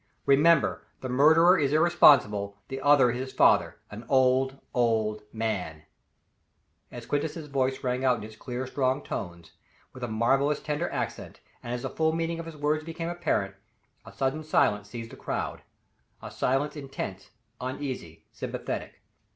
Remember, the murderer is irresponsible; the other is his father an old, old man!" As Quintus's voice rang out in its clear, strong notes, with a marvelously tender accent, and as the full meaning of his words became apparent, a sudden silence seized the crowd a silence intense, uneasy, sympathetic.